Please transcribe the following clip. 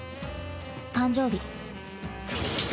誕生日。